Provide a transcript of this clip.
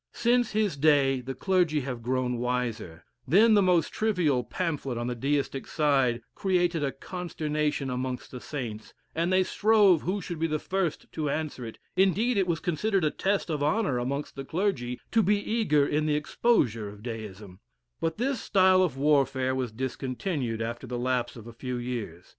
Since his day the clergy have grown wiser; then the most trivial pamphlet on the Deistic side created a consternation amongst the saints, and they strove who should be the first to answer it indeed, it was considered a test of honor amongst the clergy to be eager in the exposure of Deism: but this style of warfare was discontinued after the lapse of a few years.